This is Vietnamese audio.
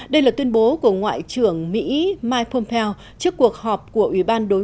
đây là tuyên bố của ngoại trưởng mỹ mike pompeo trước cuộc họp của ủy ban đối